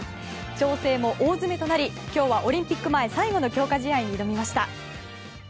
調整も大詰めとなり今日はオリンピック前最後の強化試合に挑みました。